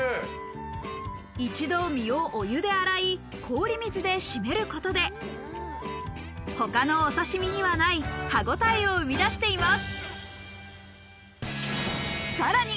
一度身をお湯で洗い氷水で締めることで他のお刺身にはない歯応えを生み出しています